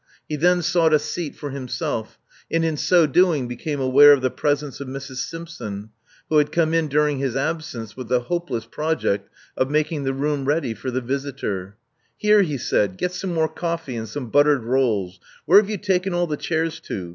He then sought a seat for himself, and in so doing became aware of the presence of Mrs. Simpson, who had come in during his absence with the hopeless project of making the room ready for the visitor. Here," he said. '*Get some more coffee, and some buttered rolls. Where have you taken all the chairs to?